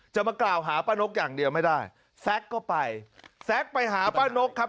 จะมากล่าวหาป้านกอย่างเดียวไม่ได้แซ็กก็ไปแซ็กไปหาป้านกครับ